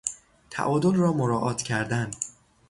تعادل را مراعات کردن